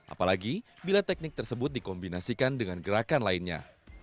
apalagi bila teknik tersebut dikombinasikan dengan gerakan lainnya